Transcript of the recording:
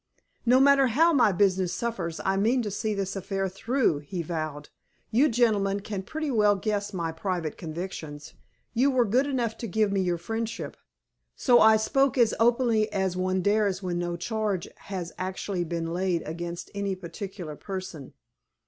"No matter how my business suffers, I mean to see this affair through," he vowed. "You gentlemen can pretty well guess my private convictions. You were good enough to give me your friendship, so I spoke as openly as one dares when no charge has actually been laid against any particular person."